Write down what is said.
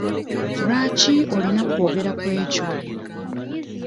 Lwaki olina okwogera ku ekyo?